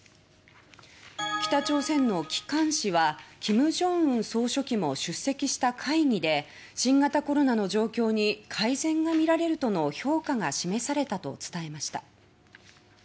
北朝鮮の機関紙は金正恩総書記も出席した会議で新型コロナの状況に改善がみられるとの評価が示されたと伝えました。